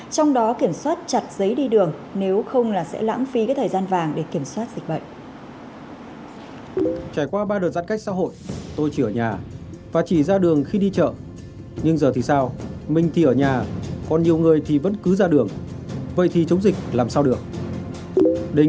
trong đó kiểm soát chặt giấy đi đường nếu không là sẽ lãng phí thời gian vàng để kiểm soát dịch bệnh